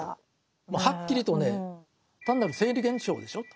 もうはっきりとね単なる生理現象でしょうと。